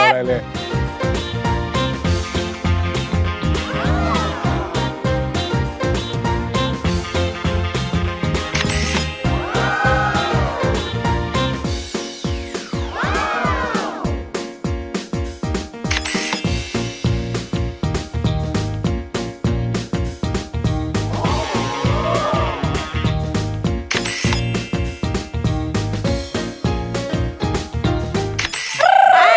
เปาฮับฮู้